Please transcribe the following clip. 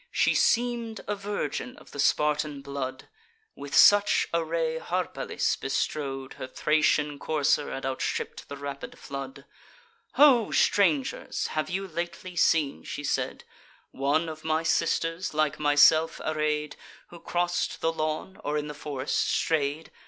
She seem'd a virgin of the Spartan blood: With such array Harpalyce bestrode Her Thracian courser and outstripp'd the rapid flood. "Ho, strangers! have you lately seen," she said, "One of my sisters, like myself array'd, Who cross'd the lawn, or in the forest stray'd?